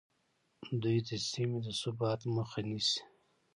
دوی د سیمې د ثبات مخه نیسي